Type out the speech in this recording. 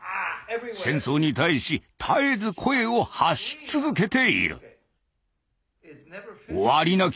戦争に対し絶えず声を発し続けている。